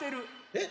えっ？